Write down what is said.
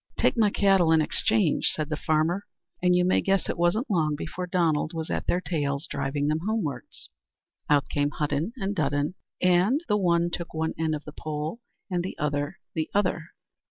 "Take my cattle in exchange," said the farmer; and you may guess it wasn't long before Donald was at their tails driving them homewards. Out came Hudden and Dudden, and the one took one end of the pole, and the other the other.